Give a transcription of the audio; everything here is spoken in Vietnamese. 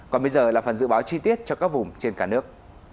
còn bây giờ là phần dự báo chi tiết cho các vùng trên cả nước